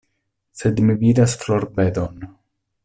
Sed mi vidas florbedon.